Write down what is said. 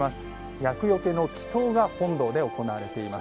厄よけが本堂で行われています。